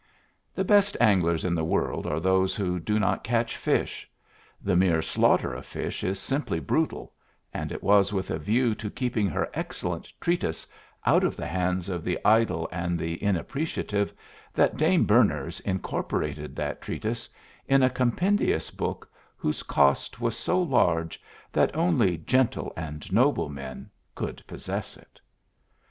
The best anglers in the world are those who do not catch fish; the mere slaughter of fish is simply brutal, and it was with a view to keeping her excellent treatise out of the hands of the idle and the inappreciative that Dame Berners incorporated that treatise in a compendious book whose cost was so large that only "gentyll and noble men" could possess it.